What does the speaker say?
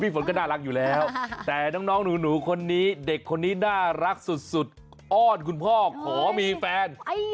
ฝนก็น่ารักอยู่แล้วแต่น้องหนูคนนี้เด็กคนนี้น่ารักสุดอ้อนคุณพ่อขอมีแฟน